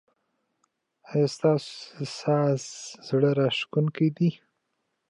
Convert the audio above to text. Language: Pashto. ایا ستاسو ساز زړه راښکونکی دی؟